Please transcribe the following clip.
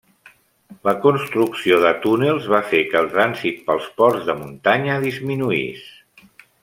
La construcció de túnels va fer que el trànsit pels ports de muntanya disminuís.